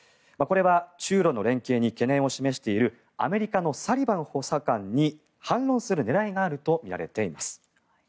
これは中ロの連携に懸念を示しているアメリカのサリバン補佐官に反論する狙いがあるとみられています。